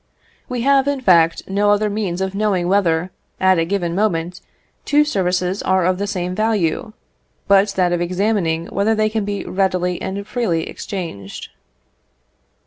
We have, in fact, no other means of knowing whether, at a given moment, two services are of the same value, but that of examining whether they can be readily and freely exchanged.